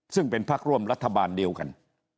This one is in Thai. ซึ่งเป็นพักร่วมรัฐบาลเดียวกัน